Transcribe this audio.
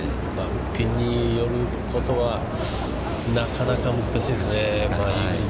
ピンに寄ることはなかなか難しいですね。